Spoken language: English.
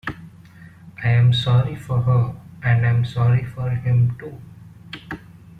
I’m sorry for her, and I’m sorry for him too.